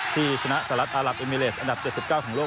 ที่ชนะสหรัฐอารับเอมิเลสอันดับ๗๙ของโลก